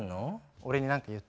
俺に何か言って。